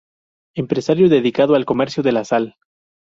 Empresario dedicado al comercio de la sal.